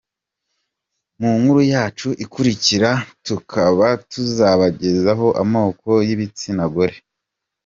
Mu nkuru yacu ikurikira, tukaba tuzabagezaho amoko y’ibitsina gore.